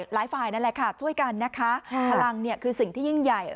หลายฝ่ายนั่นแหละค่ะช่วยกันนะคะพลังเนี่ยคือสิ่งที่ยิ่งใหญ่